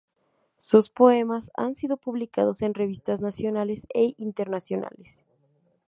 Sus poemas han sido publicados en revistas nacionales e internacionales.